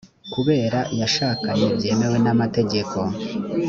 kabera yashakanye byemewe n ‘amategeko.